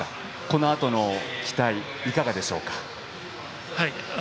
このあとの期待、いかがですか。